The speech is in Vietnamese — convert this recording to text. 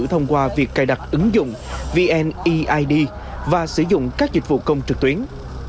thông qua việc cài đặt ứng dụng vneid và sử dụng các dịch vụ công trực tuyến